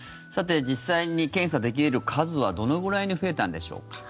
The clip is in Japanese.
実際に検査できる数はどのぐらいに増えたんでしょうか。